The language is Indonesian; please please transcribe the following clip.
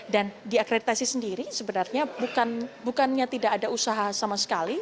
dan di akreditasi sendiri sebenarnya bukannya tidak ada usaha sama sekali